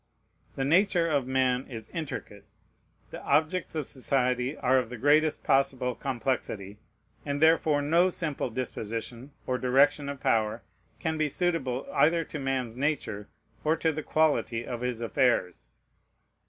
The nature of man is intricate; the objects of society are of the greatest possible complexity: and therefore no simple disposition or direction of power can be suitable either to man's nature or to the quality of his affairs.